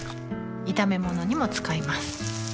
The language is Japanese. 炒め物にも使います